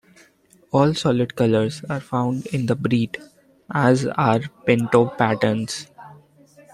All solid colors are found in the breed, as are pinto patterns.